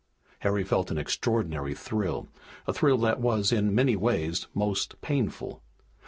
Harry felt an extraordinary thrill, a thrill that was, in many ways, most painful.